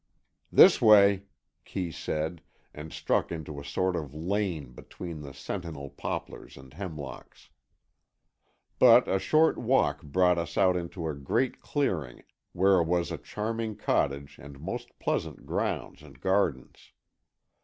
"This way," Kee said, and struck into a sort of lane between the sentinel poplars and hemlocks. But a short walk brought us out into a great clearing where was a charming cottage and most pleasant grounds and gardens.